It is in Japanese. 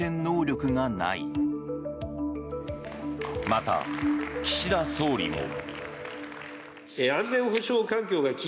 また、岸田総理も。